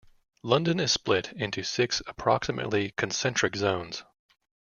London is split into six approximately concentric zones.